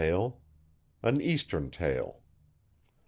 AN EASTERN TALE.